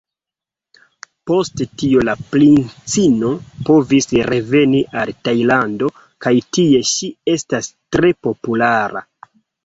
Post tio la princino povis reveni al Tajlando kaj tie ŝi estas tre populara.